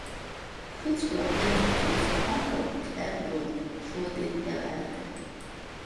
Criswell introduced Marco to Ed Wood shortly thereafter.